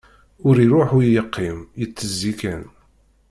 Ur iṛuḥ ur yeqqim, yettezzi kan.